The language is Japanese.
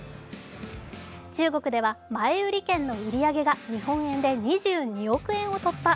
中国では前売り券の売り上げが日本円で２２億円を突破。